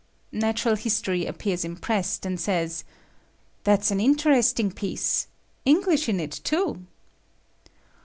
'" Natural history appears impressed, and says; "That's an interesting piece. English in it too."